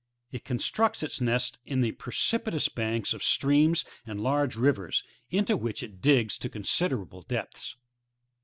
It constructs its nests in the precipitous banks of streams and large rivers, into which it digs to considerable depths 12.